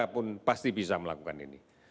pun pasti bisa melakukan ini